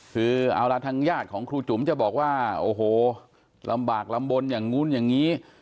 คือเอาล่ะทางญาติของครูจุ๋มจะบอกว่าโอ้โหลำบากลำบลอย่างนู้นอย่างนี้